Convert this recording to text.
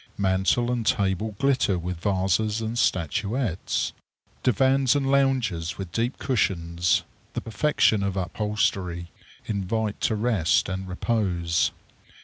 Mantel and table glitter with vases and statuettes. Divans and lounges with deep cushions, the perfection of upholstery, invite to rest and repose.